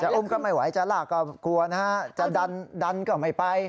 อุ้มก็ไม่ไหวจะลากก็กลัวนะฮะจะดันดันก็ไม่ไป